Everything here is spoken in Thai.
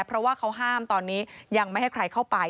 เพราะว่าเขาห้ามตอนนี้ยังไม่ให้ใครเข้าไป